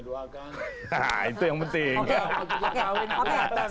waktu kawinannya sudah kita doakan